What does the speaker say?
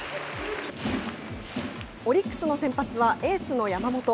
オリックスの先発はエースの山本。